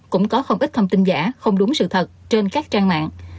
cũng có không ít thông tin giả không đúng sự thật trên các trang mạng